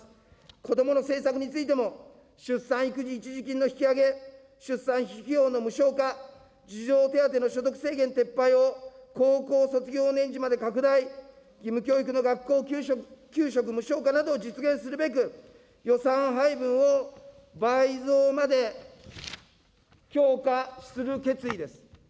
子どもの政策についても、出産育児一時金の引き上げ、出産費用の無償化、児童手当の所得制限撤廃を高校卒業年次まで拡大、義務教育の学校給食無償化などを実現するべく、予算配分を倍増まで強化する決意です。